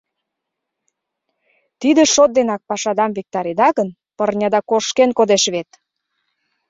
— Тиде шот денак пашадам виктареда гын, пырняда кошкен кодеш вет?!.